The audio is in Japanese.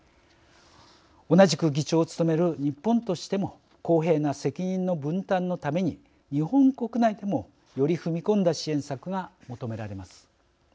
同じく議長を務める日本としても公平な責任の分担のために日本国内でもより踏み込んだ支援策が求められます。